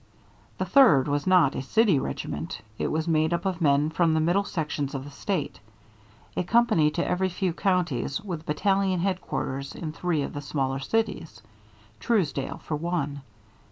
The Third was not a city regiment. It was made up of men from the middle sections of the State, a company to every few counties with battalion headquarters in three of the smaller cities, Truesdale for one.